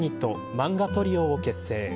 漫画トリオを結成。